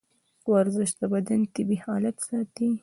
ورزش د بدن طبیعي حالت ساتي.